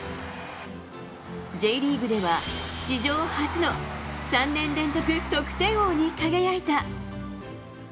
Ｊリーグでは史上初の３年連続得点王に輝いた。